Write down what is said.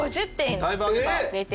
だいぶ上げた。